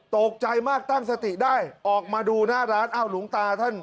ตกใจมากตั้งสติได้ออกมาดูหน้าร้านอ้าวหลวงตาท่าน